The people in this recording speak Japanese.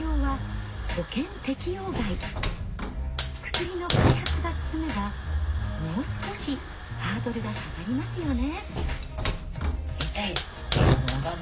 薬の開発が進めばもう少しハードルが下がりますよね。